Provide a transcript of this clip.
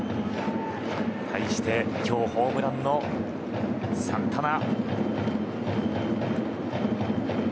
対して、今日ホームランのサンタナ。